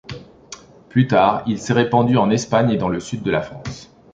Plus tard, il s'est répandu en Espagne et dans le sud de la France.